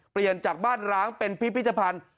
เปลี่ยนจากบ้านร้างเป็นพิพิธภัณฑ์